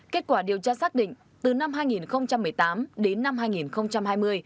kết quả điều tra xác định từ năm hai nghìn một mươi tám đến năm hai nghìn hai mươi